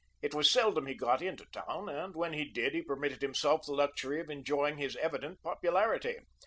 It was seldom he got into town, and when he did he permitted himself the luxury of enjoying his evident popularity.